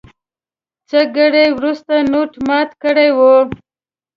څه ګړی وروسته نوټ مات کړی و.